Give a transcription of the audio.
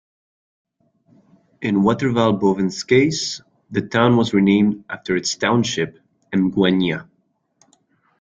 In Waterval Boven's case, the town was renamed after its township, Emgwenya.